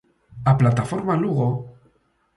A plataforma Lugo...